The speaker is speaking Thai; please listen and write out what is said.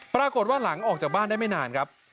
ปรากฏว่าหลังออกจากบ้านได้ไม่นานครับ